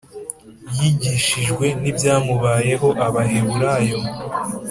yigishijwe n ibyamubayeho Abaheburayo